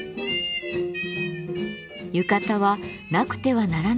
浴衣はなくてはならない存在です。